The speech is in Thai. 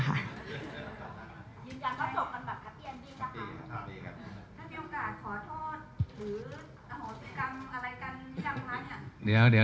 ถ้ามีโอกาสขอโทษหรือสมสิกรรมอะไรกันยังไง